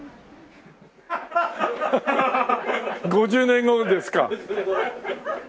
５０年後ですか。